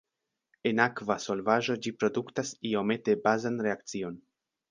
En akva solvaĵo ĝi produktas iomete bazan reakcion.